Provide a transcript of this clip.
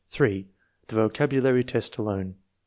The vocabulary test alone.